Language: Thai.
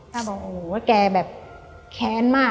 ป้าบอกว่าแกแบบแค้นมาก